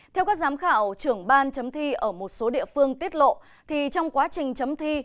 theo các giám khảo trưởng ban chấm thi ở một số địa phương tiết lộ thì trong quá trình chấm thi